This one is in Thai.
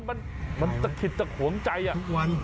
มันมันตะขิดตะหวงใจอ่ะทุกวัน